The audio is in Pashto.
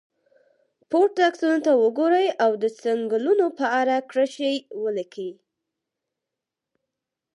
پورته عکسونو ته وګورئ او د څنګلونو په اړه کرښې ولیکئ.